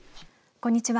こんにちは。